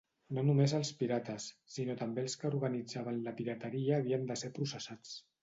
No només els pirates, sinó també els que organitzaven la pirateria havien de ser processats.